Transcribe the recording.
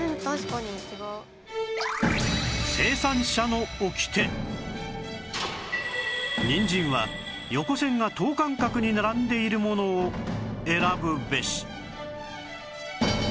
見比べてみるとにんじんは横線が等間隔に並んでいるものを選ぶべし